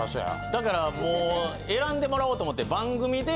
だからもう選んでもらおうと思って番組で。